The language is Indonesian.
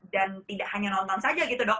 dan tidak hanya nonton saja gitu dok